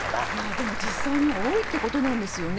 でも実際に多いってことなんですよね。